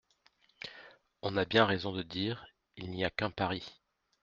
On a bien raison de dire : il n’y a qu’un Paris !